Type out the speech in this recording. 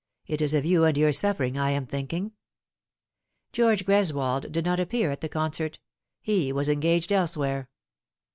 " It is of you and your suffering I am thinking." George Greswold did not appear at the concert : he was engaged elsewhere.